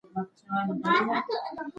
موږ نه غواړو چې په ټولنه کې ګډوډي وي.